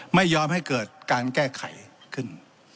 ไม่ยอมให้เกิดการแก้ไขขึ้น